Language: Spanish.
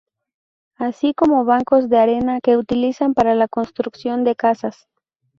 Así como Bancos de arena que utilizan para la construcción de casas.